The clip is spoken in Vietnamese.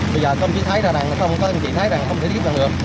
bây giờ không chỉ thấy là đằng là không có thể chỉ thấy là không thể tiếp cận được